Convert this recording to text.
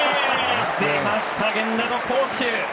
出ました、源田の好守！